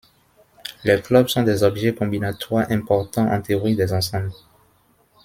Les clubs sont des objets combinatoires importants en théorie des ensembles.